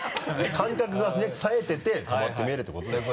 感覚がねさえてて止まって見えるってことですよ。